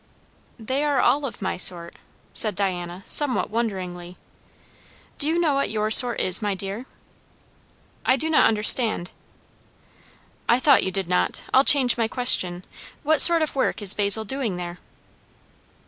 "They are all of my sort," said Diana somewhat wonderingly. "Do you know what your sort is, my dear?" "I do not understand" "I thought you did not. I'll change my question. What sort of work is Basil doing there?"